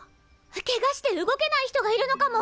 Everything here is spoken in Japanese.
ケガして動けない人がいるのかも。